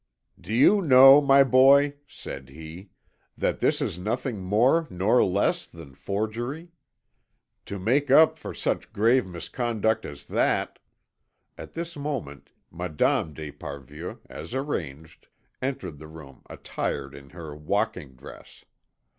"Do you know, my boy," said he, "that this is nothing more nor less than forgery? To make up for such grave misconduct as that " At this moment Madame d'Esparvieu, as arranged, entered the room attired in her walking dress.